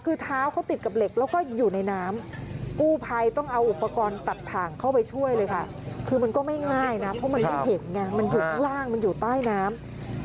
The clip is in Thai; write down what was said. เพราะมันด้วยเห็นงานมันอยู่ข้างล่างมันอยู่ใต้น้ำ